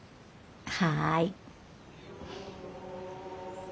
はい。